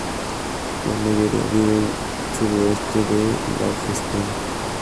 La mayoría vive en sureste de Daguestán.